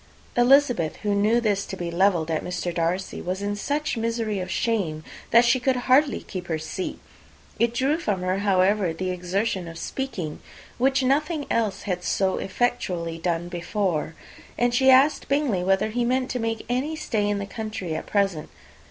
Elizabeth, who knew this to be levelled at Mr. Darcy, was in such misery of shame that she could hardly keep her seat. It drew from her, however, the exertion of speaking, which nothing else had so effectually done before; and she asked Bingley whether he meant to make any stay in the country at present.